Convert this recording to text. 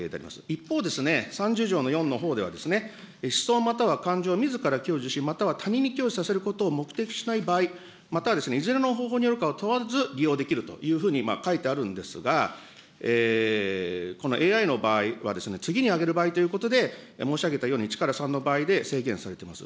一方で、３０条の４のほうでは、思想または感情をみずからし、他人に享受させることを目的としない場合、またはいずれの方法によるかを問わず利用できるというふうに書いてあるんですが、このＡＩの場合は、次にあげる場合ということで、申し上げたように１から３の場合で、制限されてます。